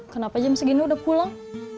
kenapa jam segini udah pulang